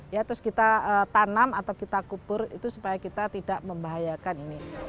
ya terus kita tanam atau kita kubur itu supaya kita tidak membahayakan ini